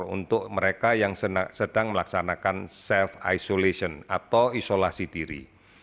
untuk mereka yang sedang melaksanakan self isolation atau isolasi diri